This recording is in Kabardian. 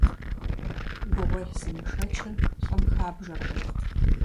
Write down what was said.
Гугъуехь зымышэчыр лӀым хабжэркъым.